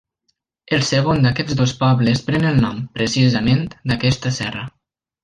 El segon d'aquests dos pobles pren el nom, precisament, d'aquesta serra.